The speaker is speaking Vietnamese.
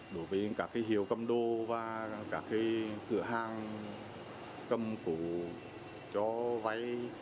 đối với các cái hiệu cầm đồ và các cái cửa hàng cầm cụ cho vay